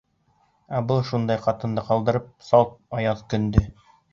Ә был шундай ҡатынды ҡалдырып, салт аяҙ көндө!..